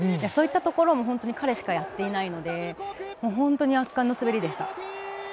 そういったところも彼しかやっていないので本当に圧巻の滑りでした。